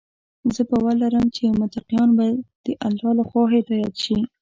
زه باور لرم چې متقیان به د الله لخوا هدايت شي.